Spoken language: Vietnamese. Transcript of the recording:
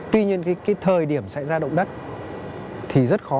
tuy nhiên cái thời điểm xảy ra động đất thì rất khó